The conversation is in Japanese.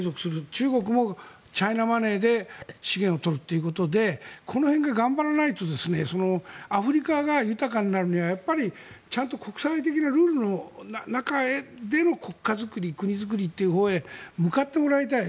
中国もチャイナマネーで資源を取るということでこの辺が頑張らないとアフリカが豊かになるにはやっぱりちゃんと国際的なルールの中での国家づくり国づくりというほうへ向かってもらいたい。